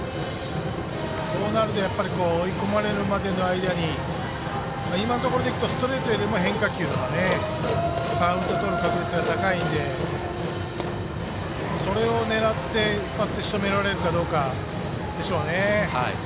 そうなると、やっぱり追い込まれるまでの間に今のところでいうとストレートよりも変化球の方がカウントをとる確率が高いんで、それを狙ってしとめられるかどうかでしょうね。